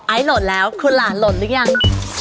ไอล์โหลดแล้วคุณหลานโหลดหรือยัง